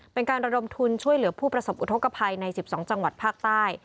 เป็นการระดมทุนช่วยเหลือผู้ประสบอุทธกภัยใน๑๒จังหวัดภาคใต้